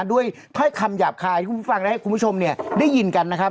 ด้วยถ้อยคำหยาบคายและให้คุณผู้ชมเนี่ยได้ยินกันนะครับ